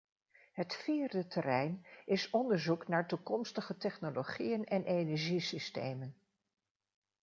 Het vierde terrein is onderzoek naar toekomstige technologieën en energiesystemen.